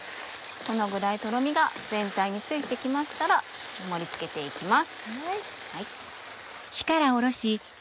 このぐらいとろみが全体について来ましたら盛り付けて行きます。